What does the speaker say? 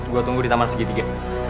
gue tunggu di tamar segitiga